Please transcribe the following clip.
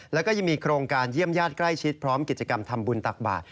แล้วก็ยังมีโครงการเยี่ยมญาติใกล้ชิดพร้อมกิจกรรมทำบุญตักบาท